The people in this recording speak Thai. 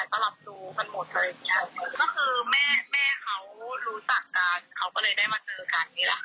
ใช่ค่ะใช่ค่ะ